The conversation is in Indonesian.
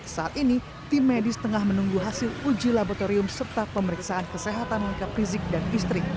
saat ini tim medis tengah menunggu hasil uji laboratorium serta pemeriksaan kesehatan rizik dan istri